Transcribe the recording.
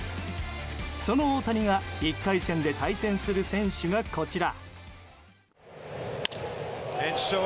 その大谷が１回戦で対戦する選手がこちら。